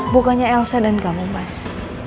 bukannya elsa dan kamu mas